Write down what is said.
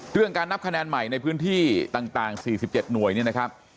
การนับคะแนนใหม่ในพื้นที่ต่าง๔๗หน่วยเนี่ยนะครับ